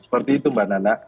seperti itu mbak nana